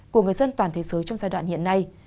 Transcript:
của người dân toàn thế giới trong giai đoạn hiện nay